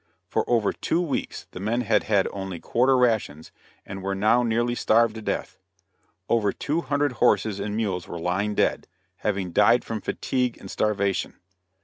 For over two weeks the men had had only quarter rations, and were now nearly starved to death. Over two hundred horses and mules were lying dead, having died from fatigue and starvation.